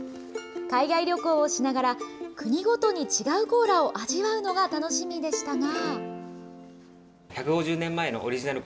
海外旅行をしながら、国ごとに違うコーラを味わうのが楽しみでしたが。